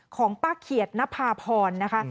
ของป้าเขียดนภาพรนะคะ